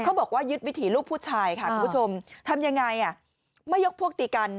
เขาบอกว่ายึดวิถีลูกผู้ชายค่ะคุณผู้ชมไม่ยอกพวกตีกัน